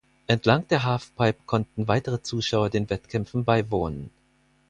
Entlang der Halfpipe konnten weitere Zuschauer den Wettkämpfen beiwohnen.